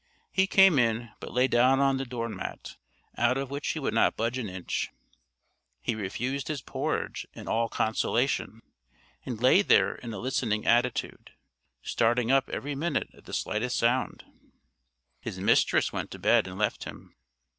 He came in, but lay down on the door mat, out of which he would not budge an inch. He refused his porridge and all consolation, and lay there in a listening attitude, starting up every minute at the slightest sound. His mistress went to bed and left him.